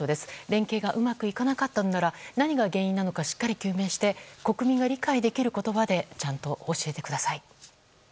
連携がうまくいかなかったのなら何が原因なのかしっかり究明して国民が理解できる言葉でちゃんと教えてください。